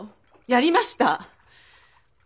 やりました！